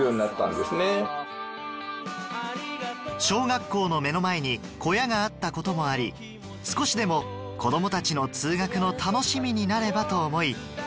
小学校の目の前に小屋があったこともあり少しでも子供たちの通学の楽しみになればと思い